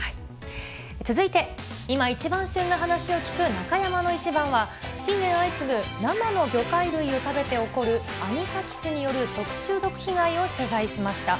続いて、今一番旬な話を聞く中山のイチバンは、近年相次ぐ、生の魚介類を食べて起こるアニサキスによる食中毒被害を取材しました。